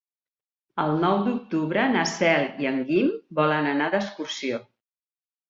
El nou d'octubre na Cel i en Guim volen anar d'excursió.